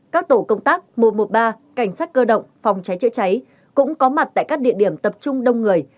các tổ công tác một trăm một mươi ba cảnh sát cơ động phòng cháy chữa cháy cũng có mặt tại các địa điểm tập trung đông người